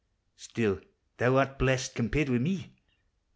Still thou art blest, compared wi' me!